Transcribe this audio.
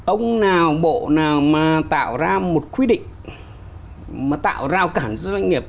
ông nào bộ nào mà tạo ra một quy định mà tạo rao cản doanh nghiệp